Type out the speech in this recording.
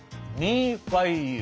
ミーファイユー。